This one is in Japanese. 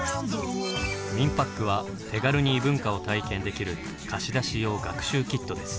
「みんぱっく」は手軽に異文化を体験できる貸し出し用学習キットです。